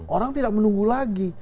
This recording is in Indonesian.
orang tidak menunggu lagi